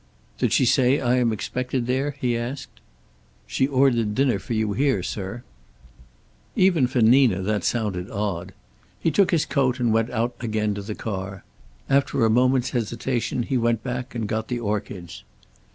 "Did she say I am expected there?" he asked. "She ordered dinner for you here, sir." Even for Nina that sounded odd. He took his coat and went out again to the car; after a moment's hesitation he went back and got the orchids.